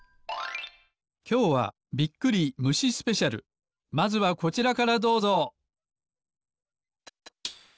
きょうはまずはこちらからどうぞ！